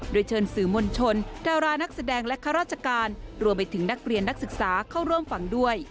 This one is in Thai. โดยเชิญสื่อมวลชนดารานักแสดงและข้าราชการรวมไปถึงนักเรียนนักศึกษาเข้าร่วมฟังด้วย